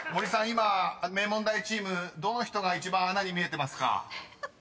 今名門大チームどの人が一番穴に見えてますか？］